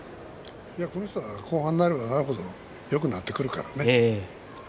この人は後半になればなる程よくなってくるからね。